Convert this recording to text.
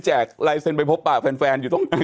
แจกไลน์เซ็นต์ไปพบปากแฟนอยู่ตรงนั้น